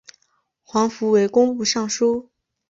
黄福为工部尚书。